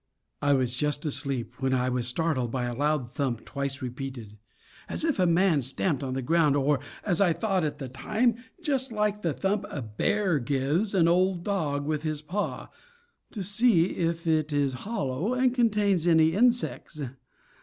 I was just asleep when I was startled by a loud thump twice repeated, as if a man stamped on the ground, or, as I thought at the time, just like the thump a bear gives an old log with his paw, to see if it is hollow and contains any insects.